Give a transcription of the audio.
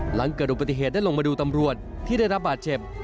หลังเกิดอุบัติเหตุได้ลงมาดูตำรวจที่ได้รับบาดเจ็บ